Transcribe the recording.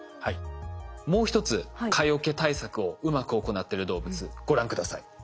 もう一つ蚊よけ対策をうまく行ってる動物ご覧下さい。